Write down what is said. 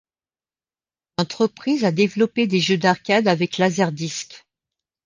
L'entreprise a développé des jeux d'arcade avec laserdisc.